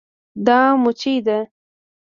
دا مچي ده